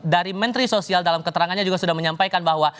dari menteri sosial dalam keterangannya juga sudah menyampaikan bahwa